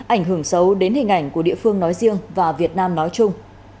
ảnh hưởng xấu đến hình ảnh của địa phương nói riêng và việt nam nói chung